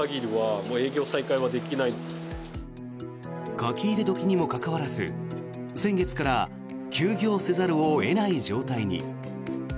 書き入れ時にもかかわらず先月から休業せざるを得ない状態に。